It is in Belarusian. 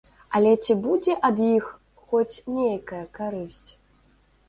Але ці будзе ад іх хоць нейкая карысць?